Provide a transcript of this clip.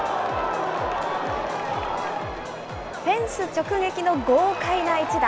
フェンス直撃の豪快な一打。